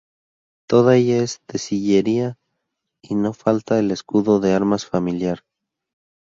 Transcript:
Toda ella es de sillería y no falta el escudo de armas familiar.